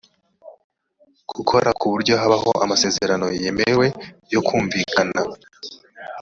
gukora ku buryo habaho amasezerano yemewe yokumvikana